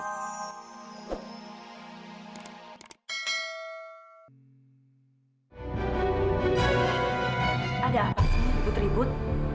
ada apa sih ribut ribut